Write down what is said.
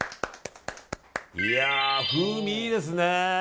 いや、風味いいですね。